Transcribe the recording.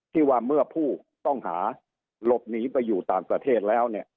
ที่ว่าเมื่อผู้ต้องหาหลบหนีไปอยู่ต่างประเทศแล้วเนี่ย